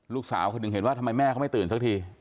ลูกสาวคนหนึ่งเห็นว่าทำไมแม่เขาไม่ตื่นสักที